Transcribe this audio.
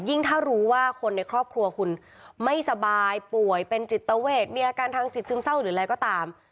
ถ้ารู้ว่าคนในครอบครัวคุณไม่สบายป่วยเป็นจิตเวทมีอาการทางจิตซึมเศร้าหรืออะไรก็ตาม